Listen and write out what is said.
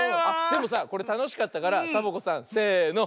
でもさこれたのしかったからサボ子さんせの。